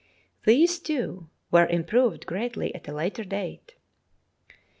These, too, were improved greatly at a later date.